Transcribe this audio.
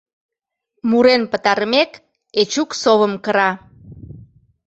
Мурен пытарымек, Эчук совым кыра.